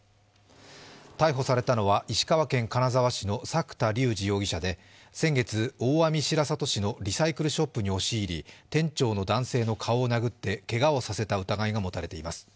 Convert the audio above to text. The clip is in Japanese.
逮捕されたのは石川県金沢市の作田竜二容疑者で、先月、大網白里市のリサイクルショップに押し入り店長の男性の顔を殴ってけがをさせた疑いが持たれています。